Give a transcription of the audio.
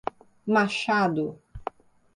Machado